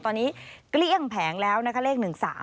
ตอนนี้เกลี้ยงแผงแล้วนะคะเลข๑๓